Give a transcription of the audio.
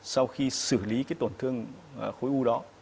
sau khi xử lý cái tổn thương khối u đó